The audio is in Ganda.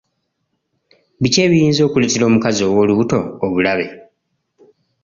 Biki ebiyinza okuleetera omukazi ow'olubuto obulabe?